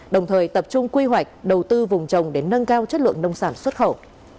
đồng thời tập trung quy hoạch đầu tư vùng trồng để nâng cao chất lượng nông sản xuất khẩu